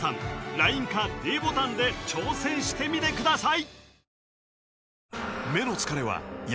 ＬＩＮＥかｄボタンで挑戦してみてください